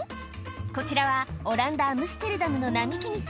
こちらはオランダアムステルダムの並木道